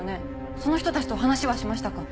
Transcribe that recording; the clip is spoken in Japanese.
その人たちと話はしましたか？